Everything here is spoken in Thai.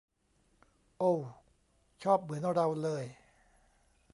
โอว ชอบเหมือนเราเลย